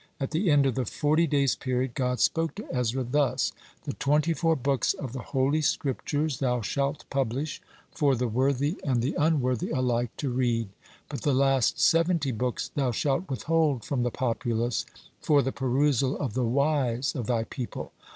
At the end of the forty days' period, God spoke to Ezra thus: "The twenty four books of the Holy Scriptures thou shalt publish, for the worthy and the unworthy alike to read; but the last seventy books thou shalt withhold from the populace, for the perusal of the wise of thy people."